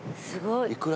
すごい。